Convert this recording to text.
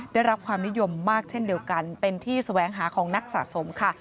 ได้รับความนิยมมากเช่นเดียวกันเป็นที่แสวงหาของนักสะสมค่ะ